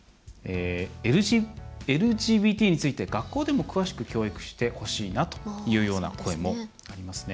「ＬＧＢＴについて学校でも詳しく教育してほしいな」というような声もありますね。